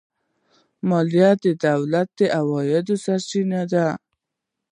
مالیه د دولت د عوایدو سرچینه ده.